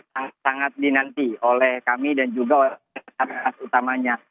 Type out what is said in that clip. sangat sangat dinanti oleh kami dan juga oleh utamanya